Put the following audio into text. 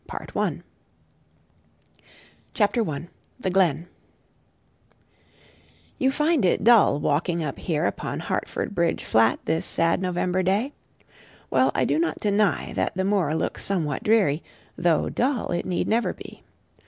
C. KINGSLEY. CHAPTER I THE GLEN You find it dull walking up here upon Hartford Bridge Flat this sad November day? Well, I do not deny that the moor looks somewhat dreary, though dull it need never be.